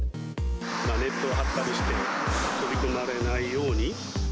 ネット張ったりして、飛び込まれないように。